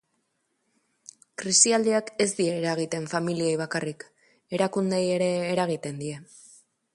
Krisialdiak ez die eragiten familiei bakarrik, erakundeei ere eragiten die.